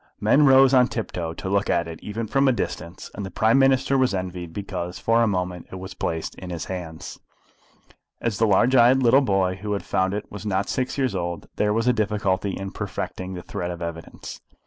Men rose on tiptoe to look at it even from a distance, and the Prime Minister was envied because for a moment it was placed in his hands. As the large eyed little boy who had found it was not yet six years old, there was a difficulty in perfecting the thread of the evidence.